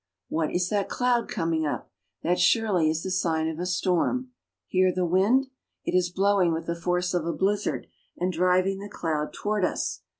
What is that cloud coming up? That surely is the sign of a storm. Hear the wind. It is blowing with the force of a blizzard and driving the cloud toward us.